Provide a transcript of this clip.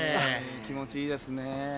気持ちいいですねぇ。